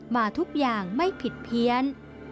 มาทุกอย่างไม่ผิดเพี้ยน